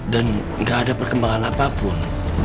dan nggak ada perkembangan apapun